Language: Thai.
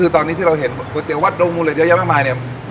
ตอนนี้แล้วเห็นก๋วยเตี๋ยววัดดงมูนเหล็กเยอะแยะมากมาย